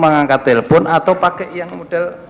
mengangkat telpon atau pakai yang model